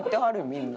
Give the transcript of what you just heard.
みんな。